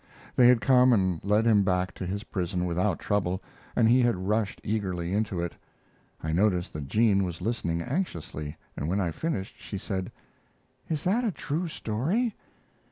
They had come and led him back to his prison without trouble, and he had rushed eagerly into it. I noticed that Jean was listening anxiously, and when I finished she said: "Is that a true story?"